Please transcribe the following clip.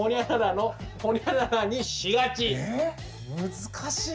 難しい！